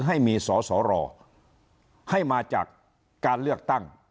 ให้มีสอสอรอให้มาจากการเลือกตั้ง